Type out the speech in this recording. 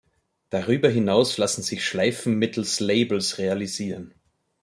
Darüber hinaus lassen sich Schleifen mittels Labels realisieren.